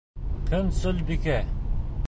Көнсөлбикә!